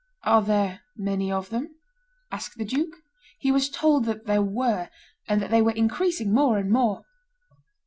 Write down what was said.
"Are there many of them?" asked the duke. He was told that there were, and that they were increasing more and more.